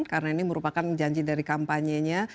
karena ini merupakan janji dari kampanye nya